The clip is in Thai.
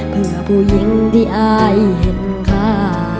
เพื่อผู้หญิงที่อายเห็นค่า